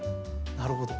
なるほど。